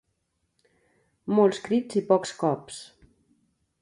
Molts crits i pocs cops.